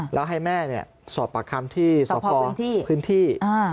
แล้วให้แม่สอบปากคำที่สพพื้นที่